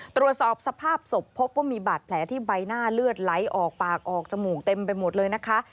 ตรวจสอบสภาพศพพบว่ามีบาดแผลที่ใบหน้าเลือดไหลออกปากออกจมูกเต็มไปหมดเลยนะคะ